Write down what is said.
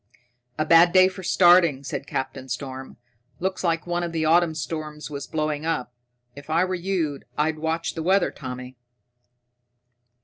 "A bad day for starting," said Captain Storm. "Looks like one of the autumn storms was blowing up. If I were you, I'd watch the weather, Tommy."